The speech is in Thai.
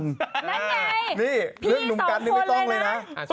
นั่นไงพี่สองคนเลยนะ